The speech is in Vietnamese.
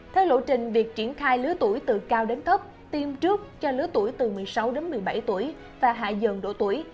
theo lộ trình việc triển khai lứa tuổi từ cao đến thấp tiêm trước cho lứa tuổi từ một mươi sáu đến một mươi bảy tuổi và hạ dần độ tuổi